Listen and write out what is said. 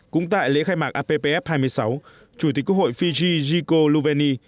cũng tại lễ khai mạc appf hai mươi sáu chủ tịch quốc hội fiji giko luveni